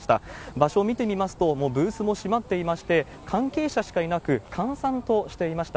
場所を見てみますと、もうブースも閉まっていまして、関係者しかいなく、閑散としていました。